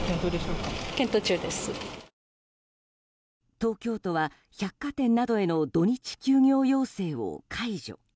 東京都は百貨店などへの土日休業要請を解除。